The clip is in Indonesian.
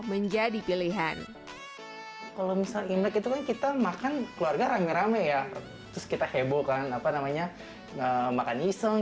menjadi pilihan kalau misalnya kita makan keluarga rame rame ya kita hebohkan apa namanya makan iseng